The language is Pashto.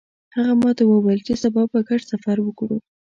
هغه ماته وویل چې سبا به ګډ سفر وکړو